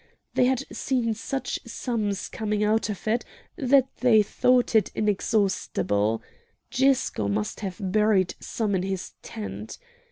They had seen such sums coming out of it, that they thought it inexhaustible; Gisco must have buried some in his tent.